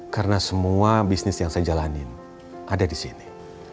karena semua bisnis yang saya jalanin ada di sini